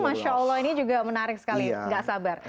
masyaallah ini juga menarik sekali gak sabar